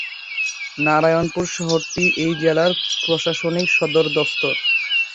নারায়ণপুর শহরটি এই জেলার প্রশাসনিক সদর দফতর।